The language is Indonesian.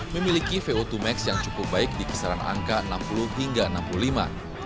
memiliki vo dua max yang cukup baik di kisaran angka enam puluh hingga enam puluh lima